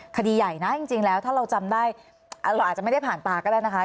คดีใหญ่นะจริงแล้วถ้าเราจำได้เราอาจจะไม่ได้ผ่านตาก็ได้นะคะ